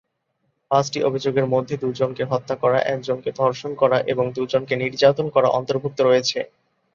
পাঁচটি অভিযোগের মধ্যে দু'জনকে হত্যা করা, একজনকে ধর্ষণ করা এবং দু'জনকে নির্যাতন করা অন্তর্ভুক্ত রয়েছে।